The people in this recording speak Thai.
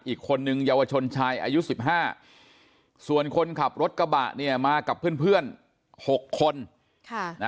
อีกคนนึงเยาวชนชายอายุ๑๕ส่วนคนขับรถกระบะเนี่ยมากับเพื่อน๖คน